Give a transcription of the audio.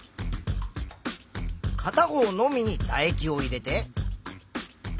かた方のみにだ液を入れて。